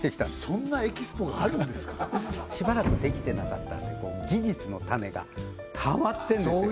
そんなＥＸＰＯがあるんですかしばらくできてなかったんで技術の種がたまってるんですよああ